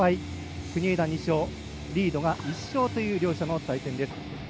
国枝２勝、リードが１勝という両者の対戦です。